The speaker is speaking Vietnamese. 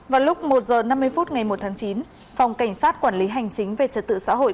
vào lúc một h năm mươi phút ngày một tháng chín phòng cảnh sát quản lý hành chính về trật tự xã hội